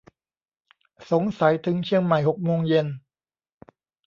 สงสัยถึงเชียงใหม่หกโมงเย็น